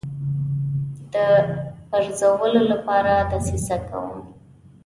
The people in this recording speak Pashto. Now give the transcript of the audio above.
د پرزولو لپاره دسیسه کوم.